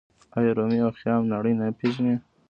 آیا رومي او خیام نړۍ نه پیژني؟